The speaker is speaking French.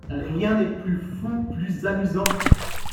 Rien n'est plus fou, plus amusant.